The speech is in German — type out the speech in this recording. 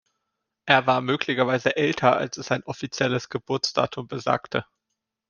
Er war möglicherweise älter als es sein offizielles Geburtsdatum besagte.